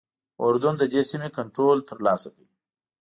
اردن ددې سیمې کنټرول ترلاسه کړ.